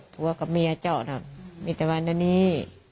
ผู้ว่ากับเมียเจ้าน่ะมีแต่วันนี้